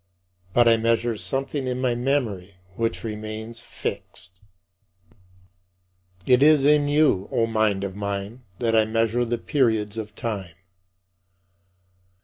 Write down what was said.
But I measure something in my memory which remains fixed. 36. It is in you, O mind of mine, that I measure the periods of time.